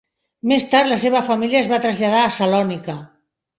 Més tard, la seva família es va traslladar a Salònica.